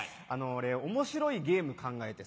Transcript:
俺面白いゲーム考えてさ。